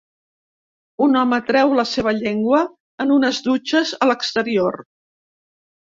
Un home treu la seva llengua en unes dutxes a l'exterior.